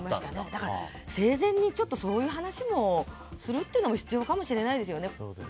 だから生前にそういう話をするっていうのも必要かもしれないですよね。